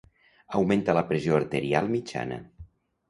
Augmenta la pressió arterial mitjana.